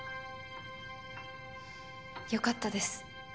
良かったです